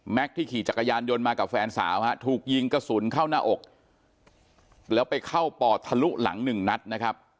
ที่ขี่จักรยานยนต์มากับแฟนสาวฮะถูกยิงกระสุนเข้าหน้าอกแล้วไปเข้าปอดทะลุหลังหนึ่งนัดนะครับ